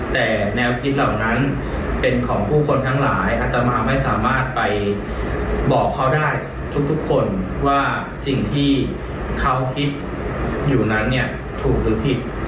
แต่แนวคิดเหล่านั้นเป็นของผู้คนทั้งหลายอัตมาไม่สามารถไปบอกเขาได้ทุกคนว่าสิ่งที่เขาคิดอยู่นั้นเนี่ยถูกหรือผิด